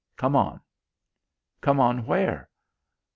Come on!" "Come on where?"